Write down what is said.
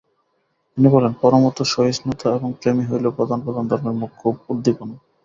তিনি বলেন, পরমত-সহিষ্ণুতা এবং প্রেমই হইল প্রধান প্রধান ধর্মের মুখ্য উদ্দীপনা।